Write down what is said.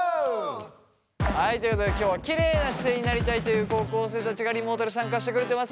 はいということで今日はきれいな姿勢になりたいという高校生たちがリモートで参加してくれてます。